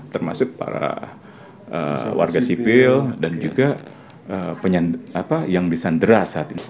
termasuk para warga sipil dan juga yang disandera saat ini